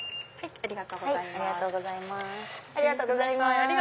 ありがとうございます。